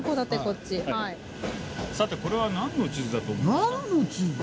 さてこれは何の地図だと思いますか？